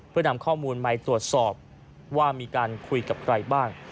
เพื่อนำข้อมูลใหม่ตรวจสอบว่ามีการคุยกับใครบ้าง